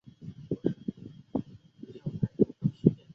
天主教徐州教区是天主教在中国江苏省设立的一个教区。